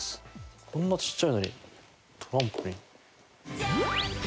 こんなちっちゃいのにトランポリン。